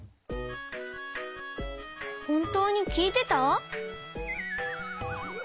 ほんとうにきいてた？